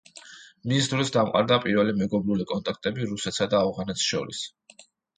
მის დროს დამყარდა პირველი მეგობრული კონტაქტები რუსეთსა და ავღანეთს შორის.